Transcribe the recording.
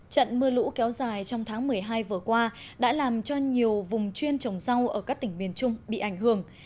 trận mưa lũ kéo dài trong tháng một mươi hai vừa qua đã làm cho nhiều vùng chuyên trồng rau ở các tỉnh miền trung bị ảnh hưởng